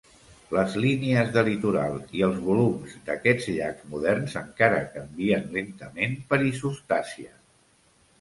Les línies de litoral i els volums d'aquests llacs moderns encara canvien lentament per isostàsia.